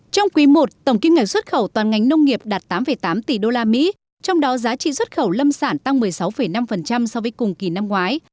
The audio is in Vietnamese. trong quý i tổng kinh ngạch xuất khẩu toàn ngành nông nghiệp đạt tám tám tỷ usd trong đó giá trị xuất khẩu lâm sản tăng một mươi sáu năm so với cùng kỳ năm ngoái